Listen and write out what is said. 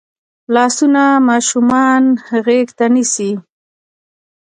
لاسونه ماشومان غېږ ته نیسي